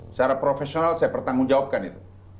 secara profesional saya bertanggung jawabkan itu